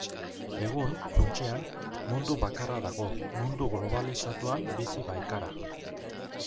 Egun, funtsean, mundu bakarra dago, mundu globalizatuan bizi baikara.